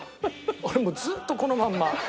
俺もうずっとこのまんま。